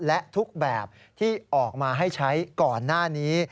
และทุกแบบที่ออกมาให้ใช้ก่อนหน้านี้